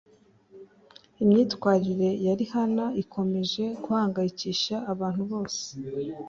Imyitwarire ya Rihanna ikomeje guhangayikisha abantu bose